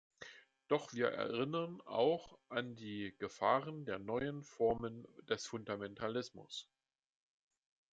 Doch wir erinnern auch an die Gefahren der neuen Formen des Fundamentalismus.